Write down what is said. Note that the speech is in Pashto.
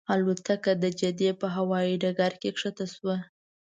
الوتکه د جدې په هوایي ډګر کې ښکته شوه.